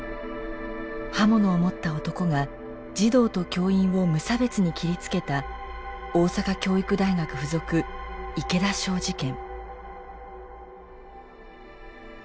刃物を持った男が児童と教員を無差別に切りつけた大阪教育大学附属池田小事件。